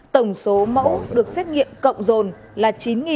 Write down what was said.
tổng số mẫu được xét nghiệm cộng rồn là chín sáu trăm chín mươi sáu